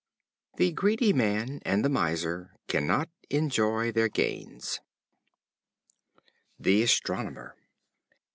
The greedy man and the miser cannot enjoy their gains. The Astronomer.